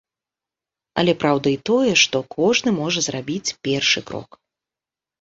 Але праўда і тое, што кожны можа зрабіць першы крок.